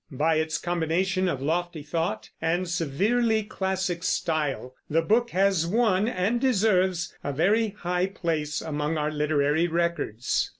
By its combination of lofty thought and severely classic style the book has won, and deserves, a very high place among our literary records.